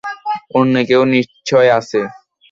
অন্য কেউ নিশ্চয় আছে।